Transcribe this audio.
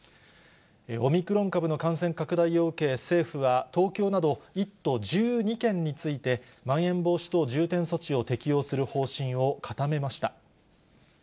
オミクロン株の感染拡大を受け、政府は、東京など１都１２県について、まん延防止等重点措置を適用する方針を固めました。